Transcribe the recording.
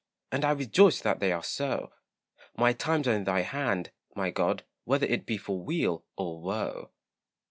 And I rejoice that they are so; My times are in thy hand, my God, Whether it be for weal or woe.